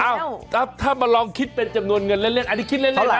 เอ้าถ้ามาลองคิดเป็นจำนวนเงินเล่นอันนี้คิดเล่น